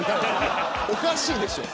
おかしいでしょう。